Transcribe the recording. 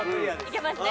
いけますね。